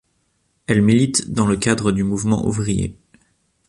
Elle milite dans le cadre du mouvement ouvrier.